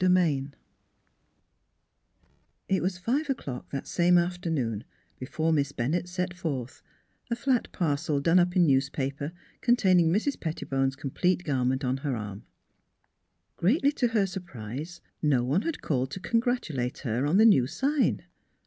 II IT was five o'clock that same afternoon before Miss Bennett set forth, a flat parcel done up in newspaper containing Mrs. Pettibone's completed garment on her arm. Greatly to her surprise, no one had called to congratulate her on the new sign.